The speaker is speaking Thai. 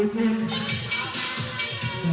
ปิดมือ